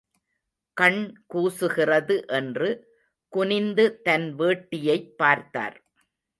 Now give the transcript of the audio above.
கண் கூசுகிறது என்று குனிந்து தன் வேட்டியைப் பார்த்தார்.